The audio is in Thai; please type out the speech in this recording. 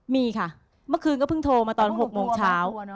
มีค่ะเมื่อคืนก็เพิ่งโทรมาตอน๖โมงเช้า